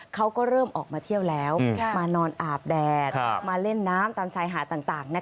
เขาก็เริ่มออกมาเที่ยวแล้วมานอนอาบแดดมาเล่นน้ำตามชายหาดต่าง